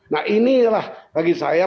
nah inilah bagi saya